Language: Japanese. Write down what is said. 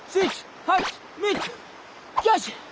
よし！